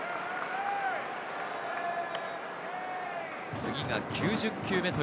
次が９０球目。